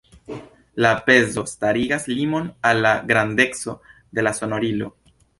La pezo starigas limon al la grandeco de la sonorilo.